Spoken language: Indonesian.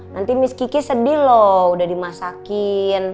nanti miss kiki sedih loh udah dimasakin